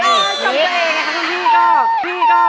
ชมเองนะคะคุณพี่ก็